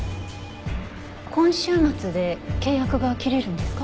今週末で契約が切れるんですか？